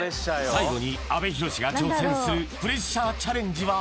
最後に阿部寛が挑戦するプレッシャーチャレンジは？